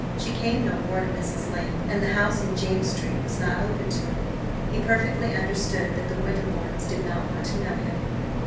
She came no more to Mrs. Lane; and the house in James Street was not open to him. He perfectly understood that the Winterbournes did not want to know him.